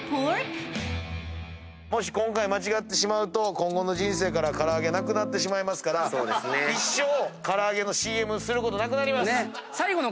もし今回間違ってしまうと今後の人生から唐揚げなくなってしまいますから一生唐揚げのＣＭすることなくなります！